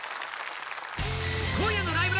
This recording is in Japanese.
今夜の「ライブ！